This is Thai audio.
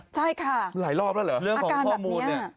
ใช่ค่ะอาการแบบนี้หลายรอบแล้วเหรอเรื่องของข้อมูล